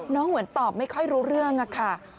เหมือนตอบไม่ค่อยรู้เรื่องค่ะ